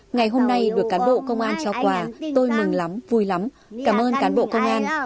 ngày hôm nay được cán bộ công an trao quà tôi mừng lắm vui lắm cảm ơn cán bộ công an